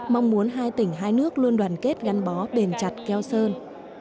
mong muốn hai tỉnh hai nước luôn đoàn kết gắn bó bền chặt keo sơn